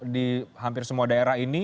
di hampir semua daerah ini